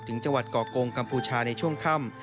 ถึงจังหวัดเกาะกงกัมภูชาในช่วงค่ำ